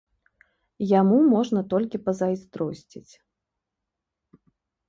Яму можна толькі пазайздросціць.